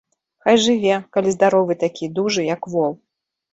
Хай жыве, калі здаровы такі, дужы, як вол.